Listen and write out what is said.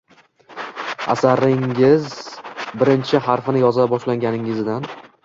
Asaringizning birinchi harfini yoza boshlaganingizdan